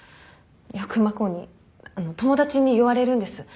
よく真子にあの友達に言われるんです。